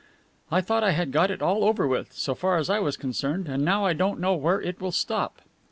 "I thought I had got it all over with, so far as I was concerned, and now I don't know where it will stop."